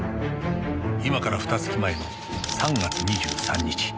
今からふた月前の３月２３日